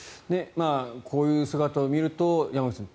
こういう姿を見ると山口さん